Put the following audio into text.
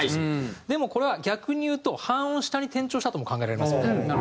でもこれは逆に言うと半音下に転調したとも考えられますよね。